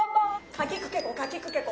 「かきくけこかきくけこ」。